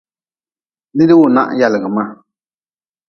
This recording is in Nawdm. Nid-wunah yagli ma.